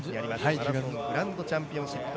マラソングランドチャンピオンシップ。